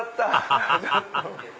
ハハハハ！